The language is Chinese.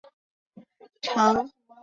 长江粘体虫为粘体科粘体虫属的动物。